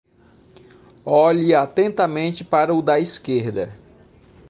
Olhe atentamente para o da esquerda.